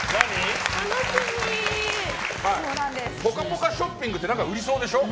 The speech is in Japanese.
ぽかぽかショッピングって何か売りそうでしょ？